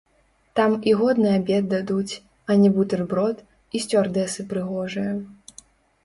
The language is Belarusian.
Там і годны абед дадуць, а не бутэрброд, і сцюардэсы прыгожыя.